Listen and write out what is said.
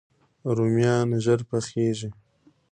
رومیان ژر پخیږي